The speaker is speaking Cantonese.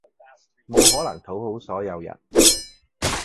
無可能討好所有人